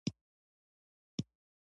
افغانستان د هرات له پلوه متنوع دی.